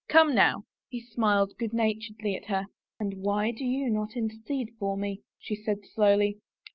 Come, now." He smiled good naturedly at her. " And why do you not intercede for me ?" she said slowly.